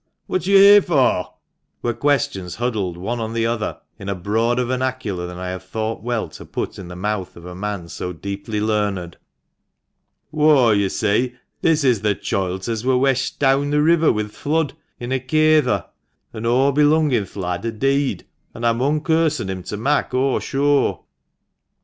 What are you here for ?" were questions huddled one on the other, in a broader vernacular than I have thought well to put in the mouth of a man so deeply learned. " Whoi, yo' see, this is the choilt as wur weshed deawn th' river wi' th' flood in a kayther ; an' o' belungin' th' lad are deead, an' aw mun kirsen him to mak' o' sure."